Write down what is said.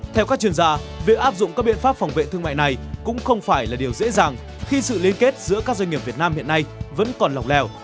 theo các chuyên gia việc áp dụng các biện pháp phòng vệ thương mại này cũng không phải là điều dễ dàng khi sự liên kết giữa các doanh nghiệp việt nam hiện nay vẫn còn lòng lèo